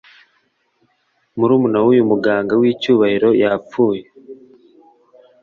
murumuna wuyu muganga wicyubahiro yapfuye